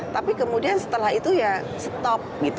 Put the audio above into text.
tapi kemudian setelah itu ya stop gitu